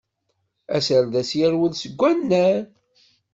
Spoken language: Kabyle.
Aserdas yerwel seg wannar.